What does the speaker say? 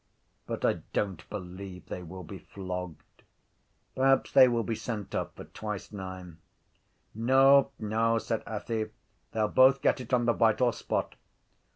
But I don’t believe they will be flogged. Perhaps they will be sent up for twice nine. —No, no, said Athy. They’ll both get it on the vital spot.